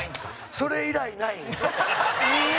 それ以来ない。